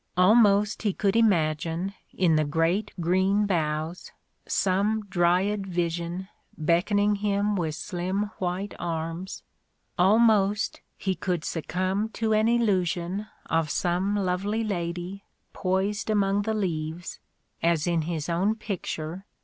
Almost he could imagine, in the great green boughs, some Dryad vision beckoning him with slim white arms : almost he could succumb to an illusion of some lovely lady poised among the leaves, as in his own picture.